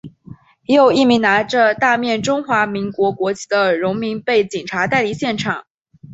也有一名拿着大面中华民国国旗的荣民被警察带离现场。